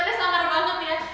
tidak ada yang sangat banget ya